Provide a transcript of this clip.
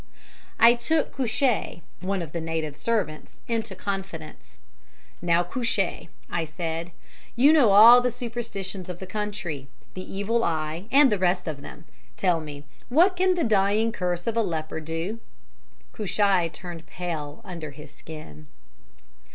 "I took Cushai, one of the native servants, into confidence. "'Now, Cushai,' I said, 'you know all the superstitions of the country the evil eye and the rest of them. Tell me, what can the dying curse of a leper do?' "Cushai turned pale under his skin.